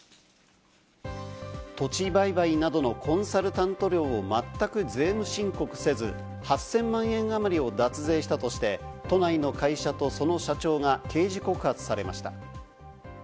土地売買などのコンサルタント料をまったく税務申告せず、８０００万円あまりを脱税したとして、都内の会社とその社長が刑事告発されました。